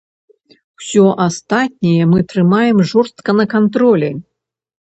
Усё астатняе мы трымаем жорстка на кантролі.